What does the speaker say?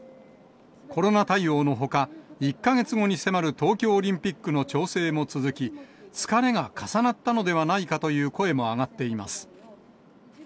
コロナ対応のほか、１か月後に迫る東京オリンピックの調整も続き、疲れが重なったのではないかという声も上がっています。